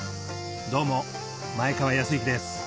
どうも前川泰之です